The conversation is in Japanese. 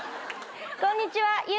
こんにちは。